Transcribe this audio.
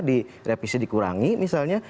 direvisi dikurangi misalnya